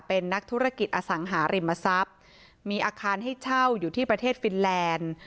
เป็นนักธุรกิจอสังหาริมทรัพย์มีอาคารให้เช่าอยู่ที่ประเทศฟินแลนด์